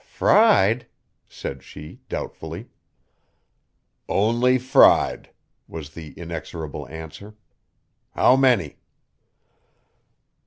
"Fried?" said she doubtfully. "Only fried," was the inexorable answer. "How many?"